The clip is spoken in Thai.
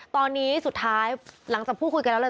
ตอนนี้สุดท้ายหลังจากพูดคุยกันแล้วเลย